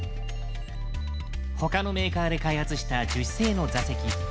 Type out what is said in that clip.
他のメーカーで開発した樹脂製の座席。